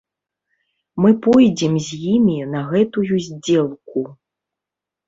Мы пойдзем з імі на гэтую здзелку.